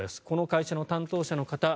この会社の担当者の方